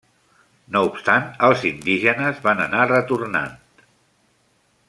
No obstant els indígenes van anar retornant.